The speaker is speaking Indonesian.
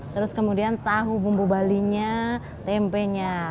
terus kemudian tahu bumbu balinya tempenya